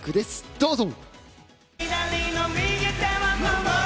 どうぞ。